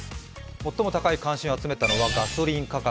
最も高い関心を集めたのはガソリン価格。